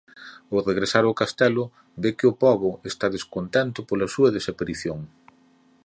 Ó regresar ó castelo ve que o pobo está descontento pola súa desaparición.